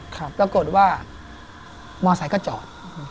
ปรากฏว่ามอเตอร์ไซด์ก็จอด